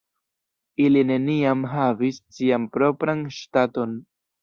Ili neniam havis sian propran ŝtaton.